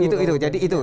itu itu jadi itu